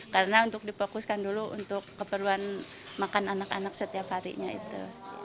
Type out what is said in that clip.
karena untuk dipokuskan dulu untuk keperluan makan anak anak setiap harinya itu